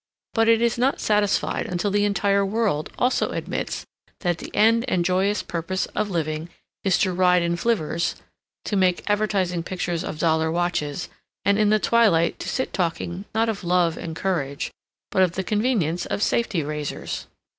But it is not satisfied until the entire world also admits that the end and joyous purpose of living is to ride in flivvers, to make advertising pictures of dollar watches, and in the twilight to sit talking not of love and courage but of the convenience of safety razors.